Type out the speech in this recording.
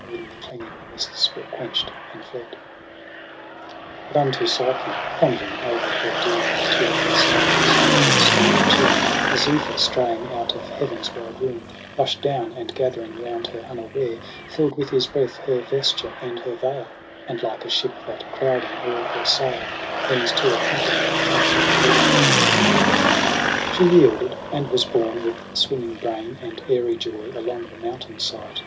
Or in the clinging mists were quenched and fled. a8 But unto Psyche, pondering o'er her doom Iij tearful silence on her stony chair, A Zephyr straying out of heaven's wide room Rush'd down, and gathering round her unaware FiU'd with his breath her vesture and her veil • And like a ship, that crowding all her sail Leans to accompany the tranquil air, She yielded, and was borne with swimming brain And airy joy, along the mountain side.